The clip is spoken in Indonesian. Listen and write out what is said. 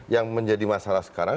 yang menjadi masalah sekarang